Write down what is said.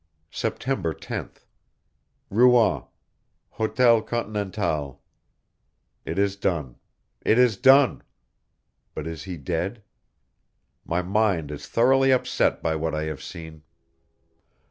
September 10th. Rouen, Hotel Continental. It is done; ... it is done ... but is he dead? My mind is thoroughly upset by what I have seen.